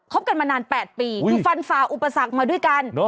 กันมานาน๘ปีคือฟันฝ่าอุปสรรคมาด้วยกัน